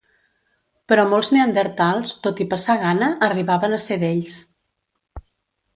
Però molts neandertals, tot i passar gana, arribaven a ser vells.